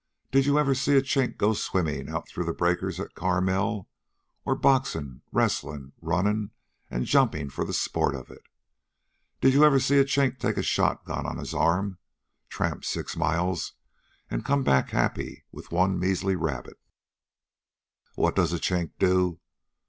Did you ever see a Chink go swimmin' out through the breakers at Carmel? or boxin', wrestlin', runnin' an' jumpin' for the sport of it? Did you ever see a Chink take a shotgun on his arm, tramp six miles, an' come back happy with one measly rabbit? What does a Chink do?